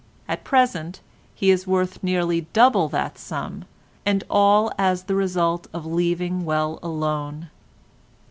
At present he is worth nearly double that sum, and all as the result of leaving well alone.